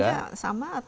tapi birunya sama atau